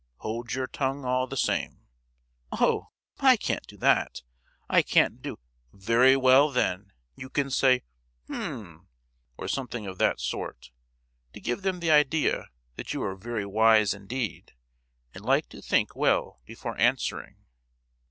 "Hold your tongue all the same!" "Oh, but I can't do that—I can't do——" "Very well, then; you can say 'H'm,' or something of that sort, to give them the idea that you are very wise indeed, and like to think well before answering."